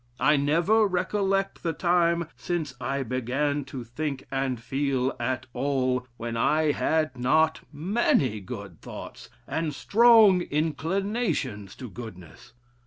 I never recollect the time since I began to think and feel at all, when I had not many good thoughts, and strong inclinations to goodness.